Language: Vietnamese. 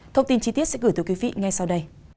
thông tin chi tiết sẽ gửi tới quý vị ngay sau đây